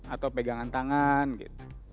atau pegangan tangan gitu